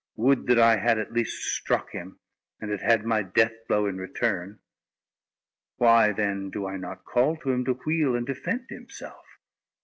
"Would that I had at least struck him, and had had my death blow in return! Why, then, do I not call to him to wheel and defend himself?